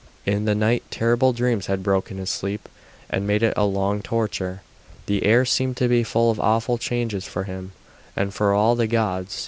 In the night terrible dreams had broken his sleep, and made it a long torture. The air seemed to be full of awful changes for him and for all the gods.